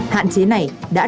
hạn chế này đã được